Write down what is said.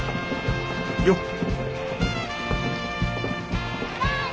よっ。